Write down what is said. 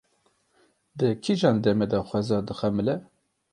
Di kîjan demê de xweza dixemile?